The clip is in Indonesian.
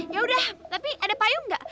ya udah tapi ada payung gak